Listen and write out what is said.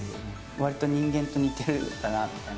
わりと人間と似てるかなみたいな。